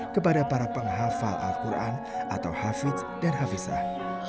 kepada para penghafal al quran atau hafiz dan hafisah